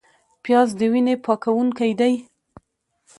پیاز د وینې پاکوونکی دی